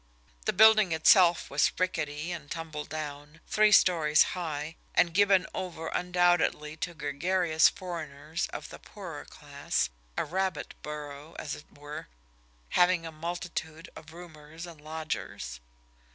The building itself was rickety and tumble down, three stories high, and given over undoubtedly to gregarious foreigners of the poorer class, a rabbit burrow, as it were, having a multitude of roomers and lodgers.